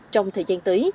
trong thời gian tới